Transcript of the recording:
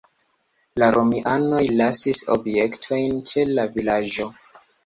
La romianoj lasis objektojn ĉe la vilaĝo.